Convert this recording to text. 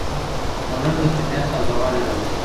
خوړل د طبیعت تازهوالی راولي